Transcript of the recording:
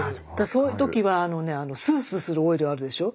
そういうときはあのねスースーするオイルあるでしょ？